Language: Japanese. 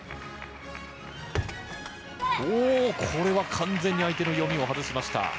おー、これは完全に相手の読みを外しました。